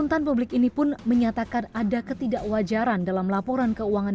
tuntutan publik ini pun menyatakan ada ketidakwajaran dalam laporan keuangan